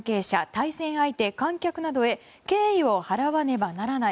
対戦相手、観客などへ敬意を払わねばならない。